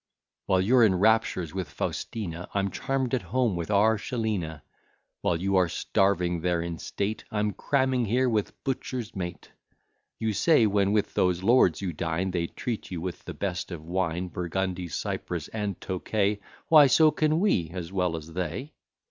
While you're in raptures with Faustina; I'm charm'd at home with our Sheelina. While you are starving there in state, I'm cramming here with butchers' meat. You say, when with those lords you dine, They treat you with the best of wine, Burgundy, Cyprus, and Tokay; Why, so can we, as well as they.